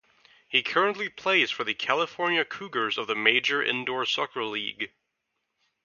He currently plays for California Cougars of the Major Indoor Soccer League.